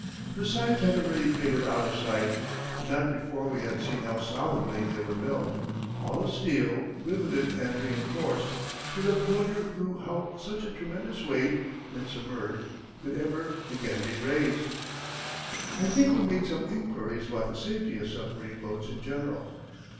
Her sides had already faded out of sight, but not before we had seen how solidly they were built all of steel, riveted and reinforced, so that the wonder grew how such a tremendous weight, when submerged, could ever again be raised. I think we made some inquiries about the safety of submarine boats in general.